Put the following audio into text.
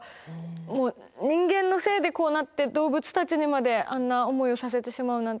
もう人間のせいでこうなって動物たちにまであんな思いをさせてしまうなんて